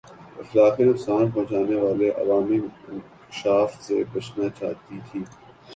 اخلاقی نقصان پہچانے والے عوامی انکشاف سے بچنا چاہتی تھِی